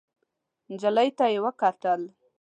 نجلۍ ته يې وکتل.